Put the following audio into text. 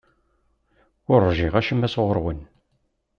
Ur ṛjiɣ acemma sɣur-m.